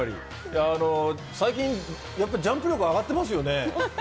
最近、ジャンプ力上がってますよね。